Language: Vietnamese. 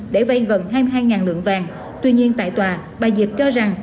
để vây gần hai mươi hai lượng vàng tuy nhiên tại tòa bà dịp cho rằng